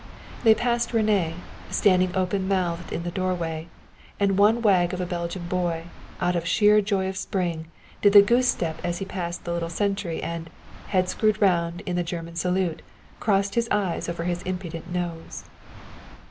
They passed René, standing open mouthed in the doorway, and one wag of a Belgian boy, out of sheer joy of spring, did the goose step as he passed the little sentry and, head screwed round in the German salute, crossed his eyes over his impudent nose.